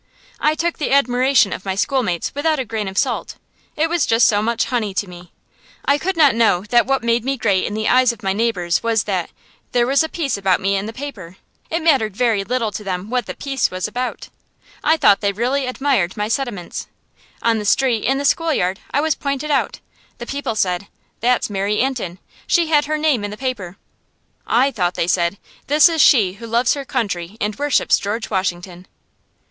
I took the admiration of my schoolmates without a grain of salt; it was just so much honey to me. I could not know that what made me great in the eyes of my neighbors was that "there was a piece about me in the paper"; it mattered very little to them what the "piece" was about. I thought they really admired my sentiments. On the street, in the schoolyard, I was pointed out. The people said, "That's Mary Antin. She had her name in the paper." I thought they said, "This is she who loves her country and worships George Washington."